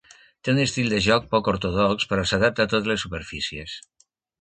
Té un estil de joc poc ortodox però s'adapta a totes les superfícies.